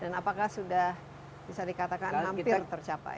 dan apakah sudah bisa dikatakan hampir tercapai